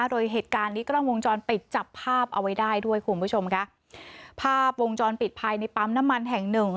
โดยเหตุการณ์นี้กล้องวงจรปิดจับภาพเอาไว้ได้ด้วยคุณผู้ชมค่ะภาพวงจรปิดภายในปั๊มน้ำมันแห่งหนึ่ง